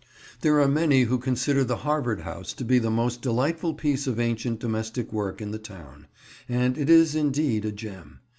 There are many who consider the Harvard House to be the most delightful piece of ancient domestic work in the town, and it is indeed a gem.